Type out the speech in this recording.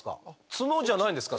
ツノじゃないんですか？